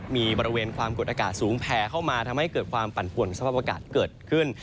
มีบริเวณความกดอากาศสูงแผ่เข้ามาทำให้เกิดความปั่นป่วนสภาพอากาศเกิดขึ้น